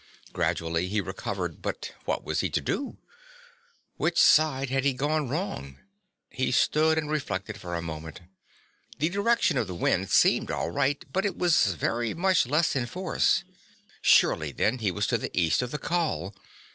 Gradually he recovered, but what was he to do? Which side had he gone wrong? He stood and reflected for a moment. The direction of the wind seemed all right, but it was very much less in force. Surely then he was to the east of the col.